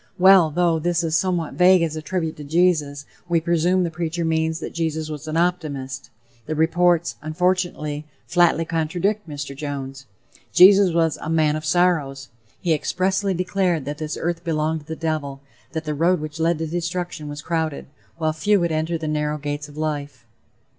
Well, though this is somewhat vague as a tribute to Jesus, we presume the preacher means that Jesus was an optimist. The reports, unfortunately, flatly contradict Mr. Jones. Jesus was a "man of sorrows." He expressly declared that this earth belonged to the devil, that the road which led to destruction was crowded, while few would enter the narrow gates of life.